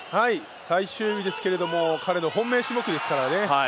最終日ですけれども彼の本命種目ですからね。